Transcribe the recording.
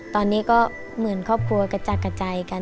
ตอนนี้ก็เหมือนครอบครัวกระจัดกระจายกัน